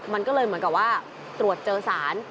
มันก็เลยเหมือนกับว่าตรวจเจอสาร